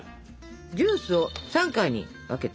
ジュースを３回に分けて。